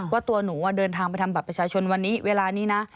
ว่าตัวหนูเดินทางไปทำบัตรประชาชนวันนี้เวลานี้นะ